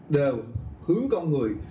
đều hướng con người